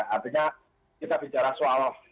artinya kita bicara soal harga diri bangsa